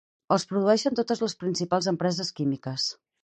Els produeixen totes les principals empreses químiques.